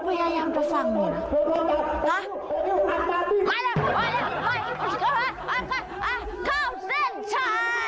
คุณยายฟังแค่นี้นั้นค่ะ